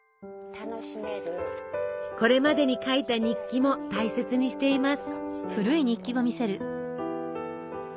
これまでに書いた日記も大切にしています。